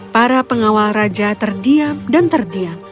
para pengawal raja terdiam dan terdiam